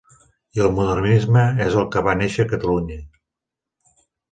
I el Modernisme és el que va néixer a Catalunya.